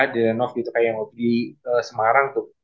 di renov gitu kayak yang di semarang tuh